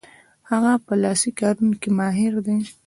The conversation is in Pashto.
هغه په لاسي کارونو کې ماهر دی.